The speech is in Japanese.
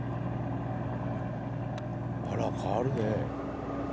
あら変わるね。